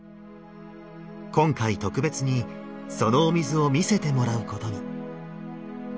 今回特別にそのお水を見せてもらうことに。